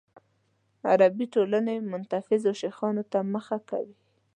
عربي ټولنې متنفذو شیخانو ته مخه کوي.